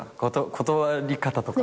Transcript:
断り方とか。